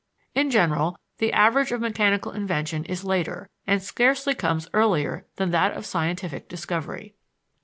In general, the average of mechanical invention is later, and scarcely comes earlier than that of scientific discovery.